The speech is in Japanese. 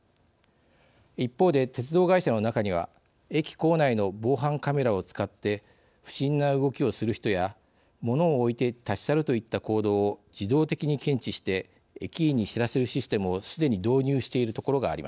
一方で鉄道会社の中には駅構内の防犯カメラを使って不審な動きをする人や物を置いて立ち去るといった行動を自動的に検知して駅員に知らせるシステムをすでに導入しているところがあります。